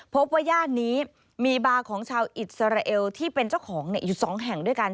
ว่าย่านนี้มีบาร์ของชาวอิสราเอลที่เป็นเจ้าของอยู่๒แห่งด้วยกัน